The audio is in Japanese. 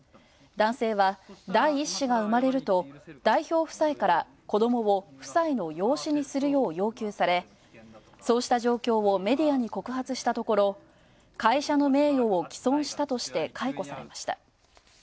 男性は第１子が生まれると、代表夫妻から子どもを夫妻の養子にするよう要求されそうした状況をメディアに告発したところ、会社の名誉を毀損したとして解雇されました。